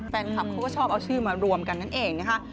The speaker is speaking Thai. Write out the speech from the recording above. แฟนคลับเขาก็ชอบเอาชื่อมารวมกันนั่นเองนะคะ